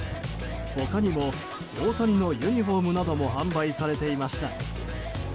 他にも大谷のユニホームなども販売されていました。